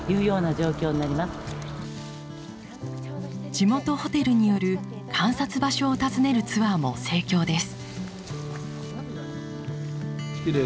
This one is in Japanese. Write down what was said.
地元ホテルによる観察場所を訪ねるツアーも盛況です。